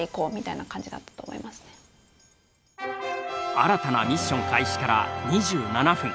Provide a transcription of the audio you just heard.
新たなミッション開始から２７分。